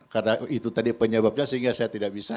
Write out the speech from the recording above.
karena itu tadi penyebabnya sehingga saya tidak bisa